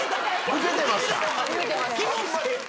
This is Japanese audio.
ウケてました？